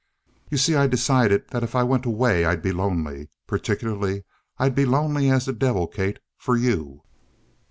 "You see, I decided that if I went away I'd be lonely. Particularly, I'd be lonely as the devil, Kate, for you!"